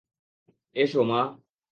এসো, মা।